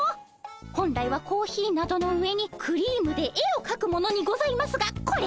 本来はコーヒーなどの上にクリームで絵をかくものにございますがこれは斬新。